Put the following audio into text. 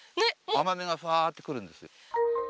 甘みがふわっとくるんですよ。